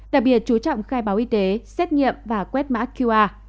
đặc biệt chú trọng khai báo y tế xét nghiệm và quét mã qr